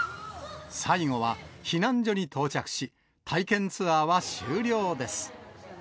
最後は避難所に到着し、体験ツアーは終了です。